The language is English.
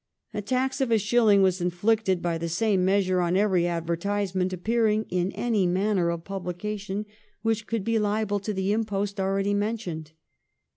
A tax of a shilling was in flicted by the same measure on every advertisement appearing in any manner of publication which could be liable to the impost already mentioned.